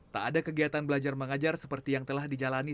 tak ada kegiatan belajar mengajar seperti yang telah dijalani